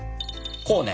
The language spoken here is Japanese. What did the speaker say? こうね。